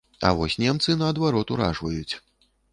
А вось немцы наадварот уражваюць.